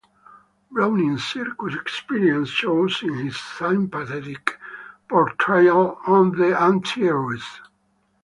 Browning's circus experience shows in his sympathetic portrayal of the antiheroes.